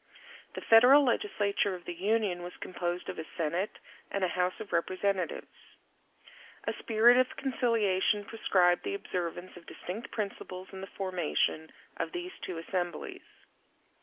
The Federal legislature of the Union was composed of a Senate and a House of Representatives. A spirit of conciliation prescribed the observance of distinct principles in the formation of these two assemblies.